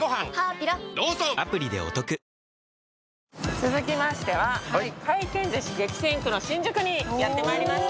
続きましては、回転ずし激戦区の新宿にやってまいりました。